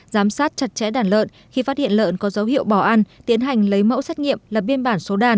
giám sát chặt chẽ đàn lợn khi phát hiện lợn có dấu hiệu bỏ ăn tiến hành lấy mẫu xét nghiệm là biên bản số đàn